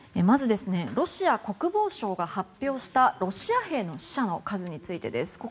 まず、ロシア国防省が発表したロシア兵の死者の数についてです。